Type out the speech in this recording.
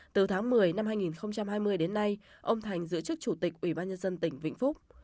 từ tháng một mươi năm hai nghìn hai mươi đến nay ông thành giữ chức chủ tịch ubnd tỉnh vĩnh phúc